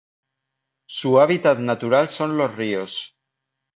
Su hábitat natural son los ríos.